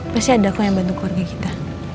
pasti ada kok yang bantu keluarga kita